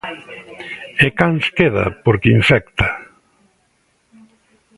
E Cans queda, porque infecta.